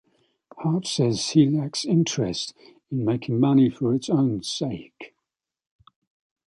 Hart says he lacks interest in making money for its own sake.